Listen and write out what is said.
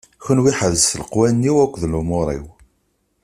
Kenwi ḥerzet leqwanen-iw akked lumuṛ-iw.